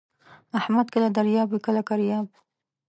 احمد کله دریاب وي کله کریاب.